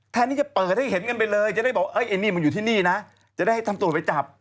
แทนที่จะเปิดให้เห็นกันไปเลยจะได้บอกเอ้ยไอ้นี่มันอยู่ที่นี่นะจะได้ให้ทำตรวจไปจับ